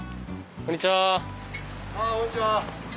こんにちは。